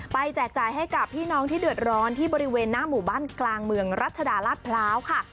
แจกจ่ายให้กับพี่น้องที่เดือดร้อนที่บริเวณหน้าหมู่บ้านกลางเมืองรัชดาราชพร้าวค่ะ